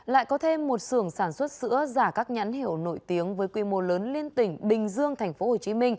lại có thêm một sưởng sản xuất sữa giả các nhãn hiệu nổi tiếng với quy mô lớn liên tỉnh bình dương tp hcm